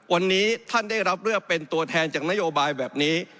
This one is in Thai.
วันนี้ท่านได้รับเลือกเป็นตัวแทนจากนโยบายแบบนี้